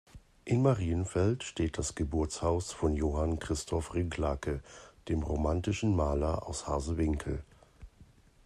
In Marienfeld steht das Geburtshaus von Johann Christoph Rincklake, dem romantischen Maler aus Harsewinkel.